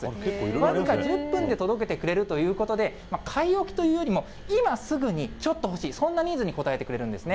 僅か１０分で届けてくれるということで、買い置きというよりも、今すぐにちょっと欲しい、そんなニーズに応えてくれるんですね。